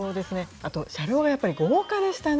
あと、車両がやっぱり豪華でしたね。